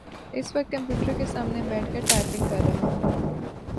اس وقت کمپیوٹر کے سامنے بیٹھ کر ٹائپنگ کر رہا ہوں